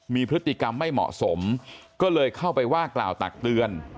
มีพฤติกรรมไม่เหมาะสมก็เลยเข้าไปว่ากล่าวตักเตือน